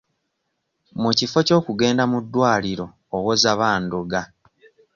Mu kifo ky'okugenda mu ddwaliro owoza bandoga.